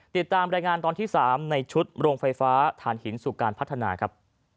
ติดตามรายงานตอนที่๓ในชุดโรงไฟฟ้าฐานหินสู่การพัฒนาครับ